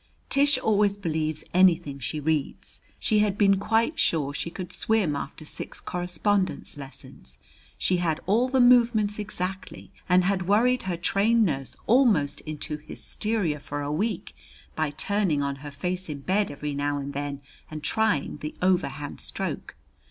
Tish always believes anything she reads. She had been quite sure she could swim after six correspondence lessons. She had all the movements exactly, and had worried her trained nurse almost into hysteria for a week by turning on her face in bed every now and then and trying the overhand stroke.